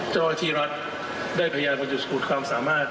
เจ้าอาทิรัตน์ได้พยายามจุดสกุลความสามารถ